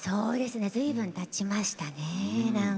ずいぶんたちましたね。